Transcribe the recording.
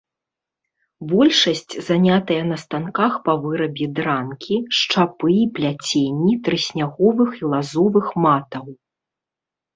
Большасць занятая на станках па вырабе дранкі, шчапы і пляценні трысняговых і лазовых матаў.